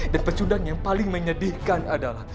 dan pecundang yang paling menyedihkan adalah